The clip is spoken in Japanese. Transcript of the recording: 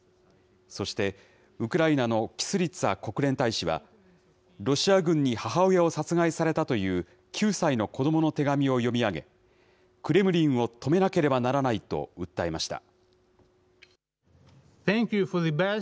そして、ウクライナのキスリツァ国連大使は、ロシア軍に母親を殺害されたという９歳の子どもの手紙を読み上げ、クレムリンを止めなければならないと訴えました。